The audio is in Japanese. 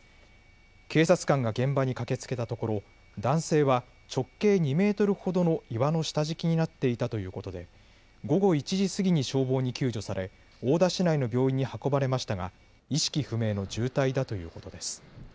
警察官が現場に駆けつけたところ男性は直径２メートルほどの岩の下敷きになっていたということで午後１時過ぎに消防に救助され大田市内の病院に運ばれましたが意識不明の重体だということです。